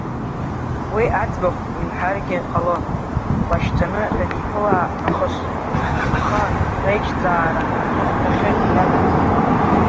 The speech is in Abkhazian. Уи аӡбахә имҳәаргьы ҟалон, лашьцаны даниԥыла нахыс, аха реиҿцаара аҵыхәтәахьы инагатәын.